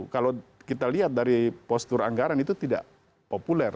kalau kita lihat dari postur anggaran itu tidak populer